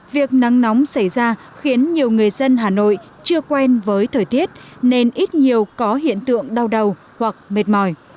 việc nắng nóng xảy ra khiến nhiều người dân hà nội chưa quen với thời tiết nên ít nhiều có hiện tượng đau đầu hoặc mệt mỏi